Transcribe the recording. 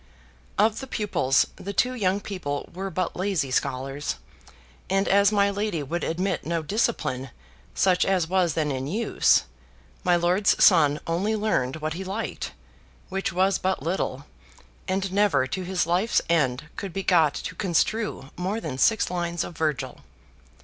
Of the pupils the two young people were but lazy scholars, and as my lady would admit no discipline such as was then in use, my lord's son only learned what he liked, which was but little, and never to his life's end could be got to construe more than six lines of Virgil.